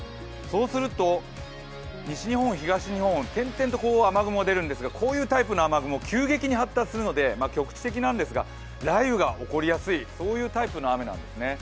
そうすると西日本、東日本、点々と雨雲が出るんですがこういうタイプの雨雲、急激に発達するので局地的なんですが、雷雨が起こりやすいタイプの雨なんですね。